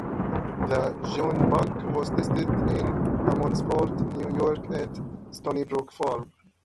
The "June Bug" was tested in Hammondsport, New York, at Stony Brook Farm.